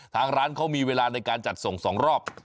ทางร้านเขามีเวลาในการจัดส่ง๒รอบ